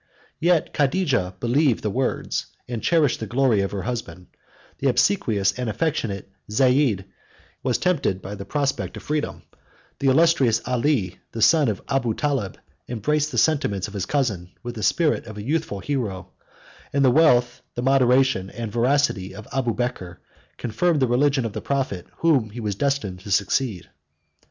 Yet Cadijah believed the words, and cherished the glory, of her husband; the obsequious and affectionate Zeid was tempted by the prospect of freedom; the illustrious Ali, the son of Abu Taleb, embraced the sentiments of his cousin with the spirit of a youthful hero; and the wealth, the moderation, the veracity of Abubeker confirmed the religion of the prophet whom he was destined to succeed.